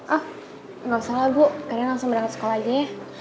ah nggak usah lah bu kadang langsung berangkat sekolah aja ya